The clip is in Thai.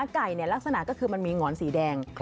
ไก่ลักษณะก็คือมันมีหงอนสีแดง